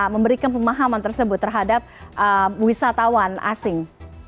memberikan pemahaman tersebut terhadap wisatawan asing